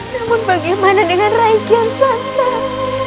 namun bagaimana dengan rai kian santam